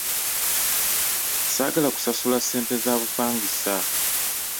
Saagala kusasula ssente za bupangisa.